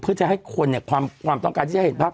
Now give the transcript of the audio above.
เพื่อจะให้คนเนี่ยความต้องการที่จะเห็นภาพ